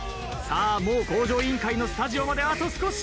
もう『向上委員会』のスタジオまであと少し。